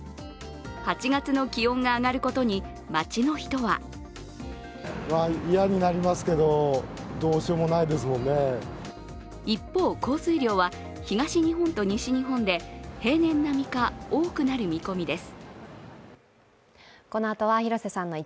８月の気温が上がることに街の人は一方、降水量は東日本と西日本で平年並みか多くなる見込みです。